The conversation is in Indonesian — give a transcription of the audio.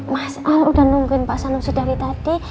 mas al udah nungguin pak sanusi dari tadi